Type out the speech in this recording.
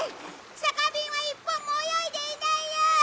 酒瓶は一本も泳いでいないよ！